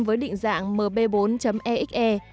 với định dạng mb bốn exe